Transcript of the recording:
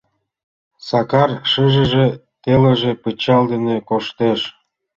Сакар шыжыже, телыже пычал дене коштеш.